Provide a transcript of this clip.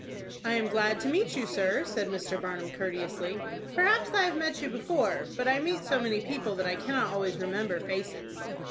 "I am glad to meet you, sir," said Mr. Barnum, courteously. "Perhaps I have met you before, but I meet so many people that I cannot always remember faces."